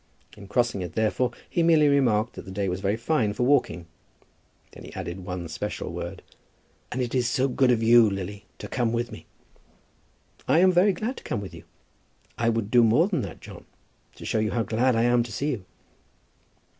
In crossing it, therefore, he merely remarked that the day was very fine for walking. Then he added one special word, "And it is so good of you, Lily, to come with me." "I am very glad to come with you. I would do more than that, John, to show how glad I am to see you."